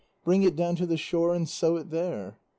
"Bring it down to the shore and sew it there."